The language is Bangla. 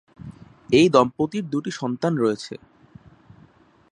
এই দম্পতির দুটি সন্তান রয়েছে।